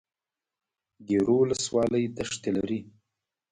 ګیرو ولسوالۍ دښتې لري؟